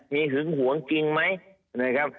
มีหึงหวงจริงไหม